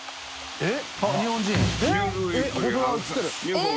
えっ？